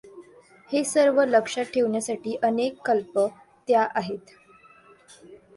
हे सर्व लक्षात ठेवण्यासाठी अनेक क्ऌप् त्या आहेत.